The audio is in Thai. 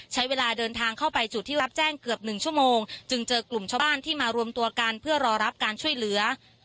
ใช้เวลาเดินทางเข้าไปจุดที่รับแจ้งเกือบ๑ชั่วโมงจึงเจอกลุ่มชาวบ้านที่มารวมตัวกันเพื่อรอรับการช่วยเหลือ